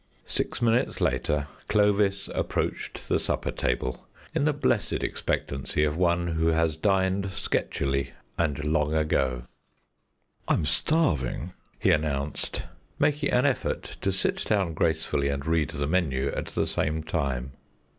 Six minutes later Clovis approached the supper table, in the blessed expectancy of one who has dined sketchily and long ago. "I'm starving," he announced, making an effort to sit down gracefully and read the menu at the same time.